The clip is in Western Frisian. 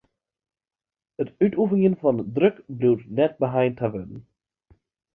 It útoefenjen fan druk bliuwt net beheind ta wurden.